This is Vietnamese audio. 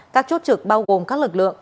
các chốt trực bao gồm các lực lượng